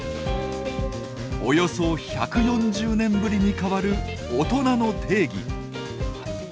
およそ１４０年ぶりに変わる「大人の定義」。